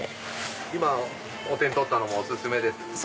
今お手に取ったのもお薦めです。